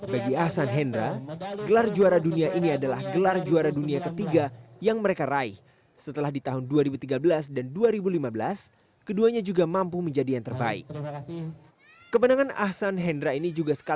bagi ahsan dan fajar alfian rian ardianto ini adalah pasangan yang terbaik